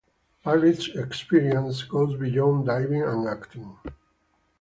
Parry's experience goes beyond diving and acting.